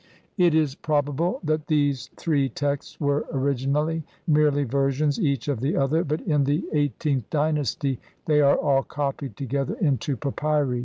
It is probable that these three texts were origin ally merely versions each of the other, but in the eighteenth dynasty they are all copied together into papyri.